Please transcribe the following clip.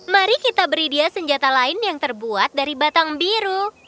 mari kita beri dia senjata lain yang terbuat dari batang biru